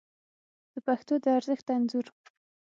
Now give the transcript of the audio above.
د پښتو د ارزښت انځور